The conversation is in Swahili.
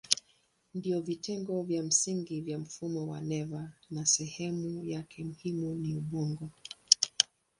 Ndiyo vitengo vya msingi vya mfumo wa neva na sehemu yake muhimu ni ubongo.